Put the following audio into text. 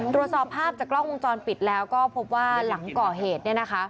ตรวจสอบภาพจากกล้องวงจรปิดแล้วก็พบว่าหลังก่อเหตุ